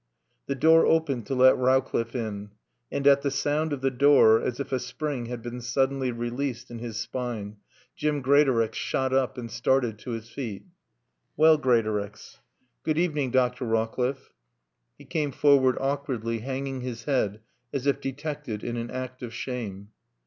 The door opened to let Rowcliffe in. And at the sound of the door, as if a spring had been suddenly released in his spine, Jim Greatorex shot up and started to his feet. "Well, Greatorex " "Good evening, Dr. Rawcliffe." He came forward awkwardly, hanging his head as if detected in an act of shame.